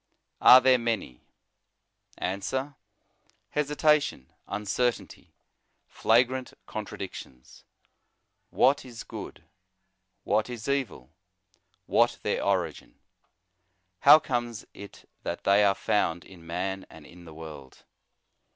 Are there many ? Answer: Hesitation, uncertainty, flagrant contradictions. What is good ? what is evil ? what their origin? How comes it that they are found in man and in the world